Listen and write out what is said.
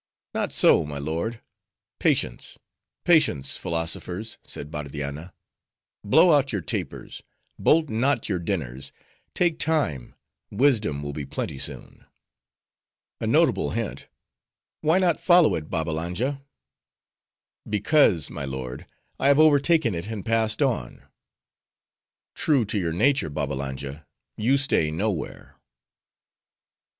"Not so, my lord.—'Patience, patience, philosophers,' said Bardianna; 'blow out your tapers, bolt not your dinners, take time, wisdom will be plenty soon.'" "A notable hint! Why not follow it, Babbalanja?" "Because, my lord, I have overtaken it, and passed on." "True to your nature, Babbalanja; you stay nowhere."